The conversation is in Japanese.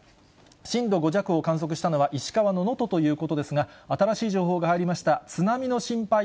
震度５弱を観測したのは、石川の能登ということですが、新しい情報が入りました。